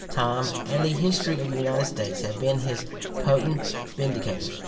Time and the history of the United States have been his potent vindicators.